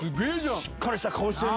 しっかりした顔してる。